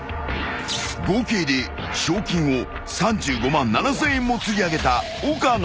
［合計で賞金を３５万７，０００円も釣り上げた岡野］